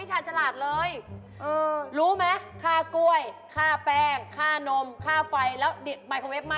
เจ๊เราไม่รู้อันไหนขนมอันไหนหน้าเขาแหละ